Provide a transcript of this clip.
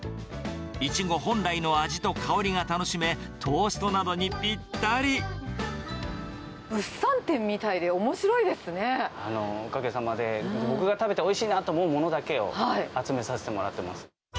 いちご本来の味と香りが楽しめ、物産展みたいでおもしろいでおかげさまで、僕が食べておいしいなと思うものだけを集めさせてもらってます。